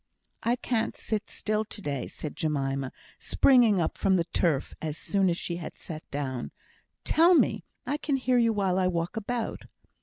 "I can't sit still to day," said Jemima, springing up from the turf as soon as she had sat down. "Tell me! I can hear you while I walk about."